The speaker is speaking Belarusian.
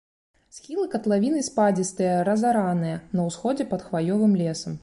Схілы катлавіны спадзістыя, разараныя, на ўсходзе пад хваёвым лесам.